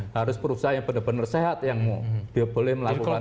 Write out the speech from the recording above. harus perusahaan yang benar benar sehat yang dia boleh melakukan